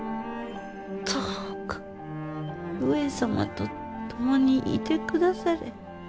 どうか上様と共にいて下され。